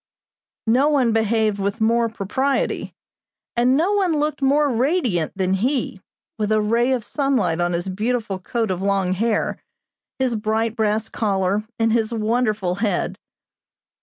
No one behaved with more propriety and no one looked more radiant than he, with a ray of sunlight on his beautiful coat of long hair, his bright brass collar, and his wonderful head.